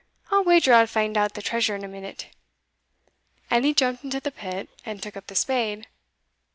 I'll wager I'll find out the treasure in a minute;" and he jumped into the pit, and took up the spade.